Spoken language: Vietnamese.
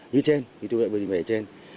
như trên như tôi đã vừa tìm thấy trên